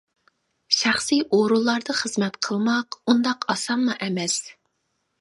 شەخسى ئورۇنلاردا خىزمەت قىلماق ئۇنداق ئاسانمۇ ئەمەس.